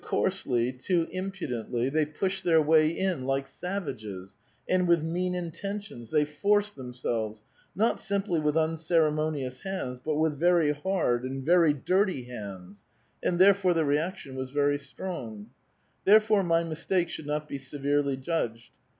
821 coarsely, too impudently, they pushed their way in like sav ages, and with mean intentious, they forced themselves, not simply with unceremonious hands, but with very hard and very dirty hands, and therefore the reaction was very strong. Therefore my mistake should not be severely judged.